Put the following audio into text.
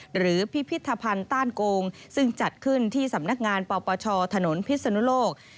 หรือพิพิธภัณฑ์ต้านโกงซึ่งจัดขึ้นที่สำนักงานปปชถนนพิศนุโลก